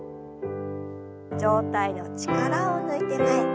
上体の力を抜いて前。